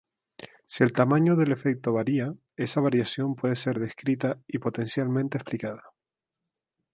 Si el tamaño del efecto varía, esa variación puede ser descrita y, potencialmente explicada.